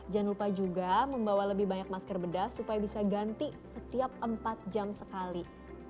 jangan lupa juga membawa lebih banyak masker bedah supaya bisa ganti setiap empat jam sekali